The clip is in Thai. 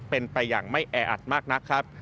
เป็นไปอย่างไม่แออัดมากนักครับ